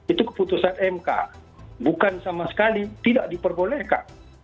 itu keputusan mk bukan sama sekali tidak diperbolehkan